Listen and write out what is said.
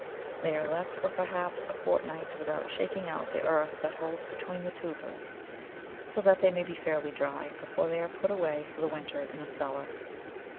They are left for perhaps a fortnight without shaking out the earth that holds between the tubers, so that they may be fairly dry before they are put away for the winter in a cellar.